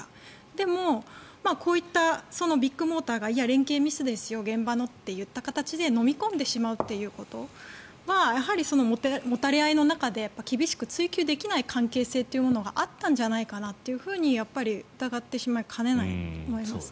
でも、こういったビッグモーターがいや、現場の連携ミスですよといった形でのみ込んでしまうということはもたれ合いの中で厳しく追及できない関係性というものがあったんじゃないかなと疑ってしまいかねないと思います。